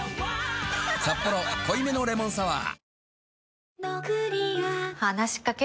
「サッポロ濃いめのレモンサワー」